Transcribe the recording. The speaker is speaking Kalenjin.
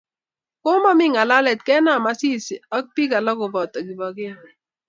Komomi ngalalet kenam Asisi ak bik alak koboto Kipokeo